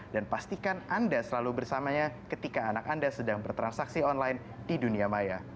dan pastikan anda selalu bersamanya ketika anak anda sedang bertransaksi online di dunia maya